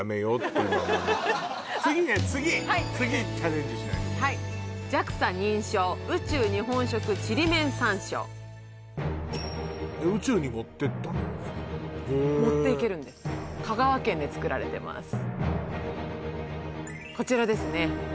そうなんです持っていけるんです香川県で作られてますこちらですね